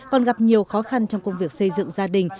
còn gặp nhiều khó khăn trong công việc xây dựng gia đình